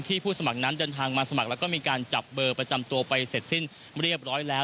ผู้สมัครนั้นเดินทางมาสมัครแล้วก็มีการจับเบอร์ประจำตัวไปเสร็จสิ้นเรียบร้อยแล้ว